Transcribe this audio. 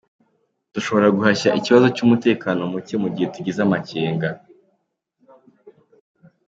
Dushobora guhashya ikibazo cy’umutekano muke mu gihe tugize amakenga.